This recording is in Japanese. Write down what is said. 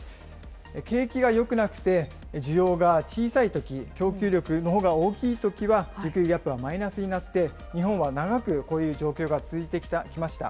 景気がよくなって需要が小さいとき、供給力のほうが大きいときは、需給ギャップはマイナスになって、日本は長くこういう状況が続いてきました。